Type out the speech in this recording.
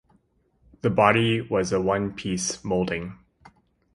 The body was a one-piece moulding.